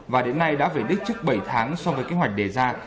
và đến nay đã về đích trước bảy tháng so với kế hoạch đề ra